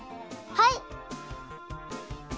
はい！